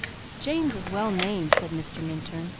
"James is well named," said Mr. Minturn.